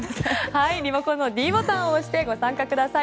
このｄボタンを押してご参加ください。